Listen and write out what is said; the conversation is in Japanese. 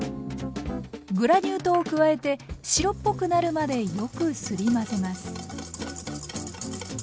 グラニュー糖を加えて白っぽくなるまでよくすり混ぜます。